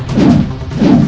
aku akan menang